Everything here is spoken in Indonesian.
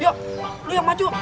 yuk lo yang maju